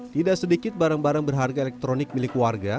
tidak sedikit barang barang berharga elektronik milik warga